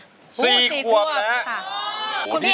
สี่ขวบค่ะสี่ขวบ